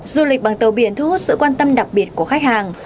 du lịch bằng tàu biển thu hút sự quan tâm đặc biệt của khách hàng